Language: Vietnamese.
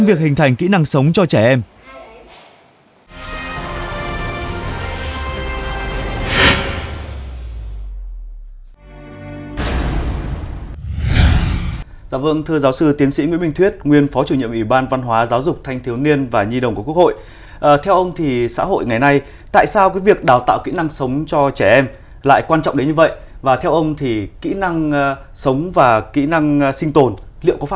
dạy kỹ năng sống cho trẻ không phải bắt đầu từ khi trẻ đi học